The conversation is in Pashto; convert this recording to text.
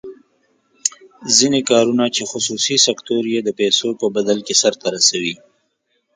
ځینې کارونه چې خصوصي سکتور یې د پیسو په بدل کې سر ته رسوي.